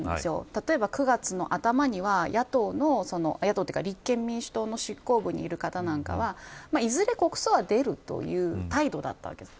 例えば、９月の頭には、野党の立憲民主党の執行部にいる方なんかいずれ国葬は出るという態度だったわけです。